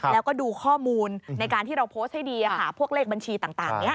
แล้วก็ดูข้อมูลในการที่เราโพสต์ให้ดีพวกเลขบัญชีต่างนี้